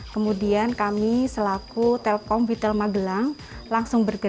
kemudian kami selaku telkom vitel magelang langsung berkumpul